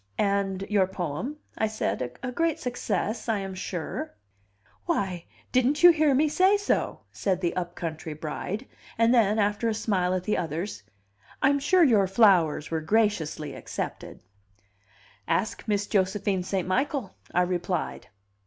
"And your poem?" I said. "A great success, I am sure?" "Why, didn't you hear me say so?" said the upcountry bride; and then, after a smile at the others, "I'm sure your flowers were graciously accepted." "Ask Miss Josephine St. Michael," I replied.